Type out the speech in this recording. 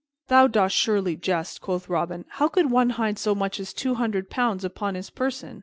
"Thou dost surely jest," quoth Robin. "How could one hide so much as two hundred pounds upon his person?"